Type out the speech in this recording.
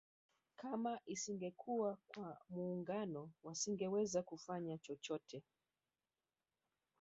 Kama isingekuwa kwa muungano wasingeweza kufanya chochote